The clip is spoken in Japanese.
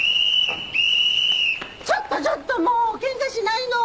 ちょっとちょっともう喧嘩しないの！